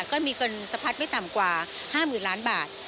ก็มีเงินสะพัดไม่ต่ำกว่า๕๐๐๐ล้านบาท